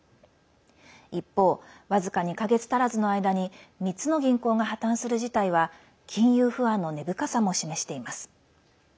一方、僅か２か月足らずの間に３つの銀行が破綻する事態は金融不安の根深さも示しています。